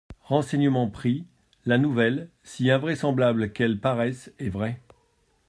«Renseignements pris, la nouvelle, si invraisemblable qu'elle paraisse, est vraie.